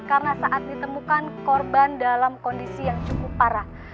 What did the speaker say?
karena saat ditemukan korban dalam kondisi yang cukup parah